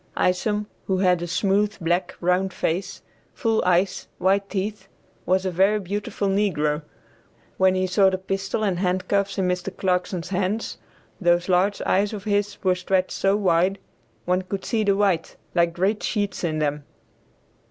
Isom, who had a smooth, black, round face, full eyes, white teeth, was a very beautiful negro. When he saw the pistol and handcuffs in Mr. Clarkson's hands, those large eyes of his were stretched so wide, one could see the white, like great sheets in them.